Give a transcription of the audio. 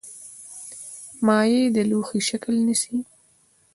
مایع د لوښي شکل نیسي.